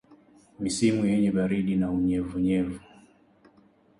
Misimu yenye baridi na unyevunyevu